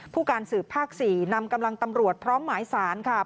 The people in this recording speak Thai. ผู้การสืบภาค๔นำกำลังตำรวจพร้อมหมายสารค่ะ